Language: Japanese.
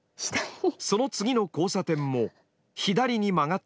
その次の交差点も左に曲がった